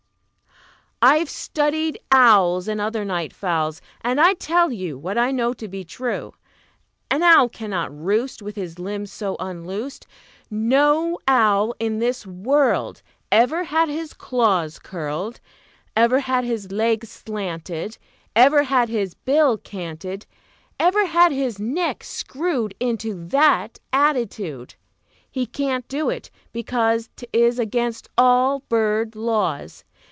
"I've studied owls, And other night fowls, And I tell you What I know to be true: An owl cannot roost With his limbs so unloosed; No owl in this world Ever had his claws curled, Ever had his legs slanted, Ever had his bill canted, Ever had his neck screwed Into that attitude. He can't do it, because 'T is against all bird laws.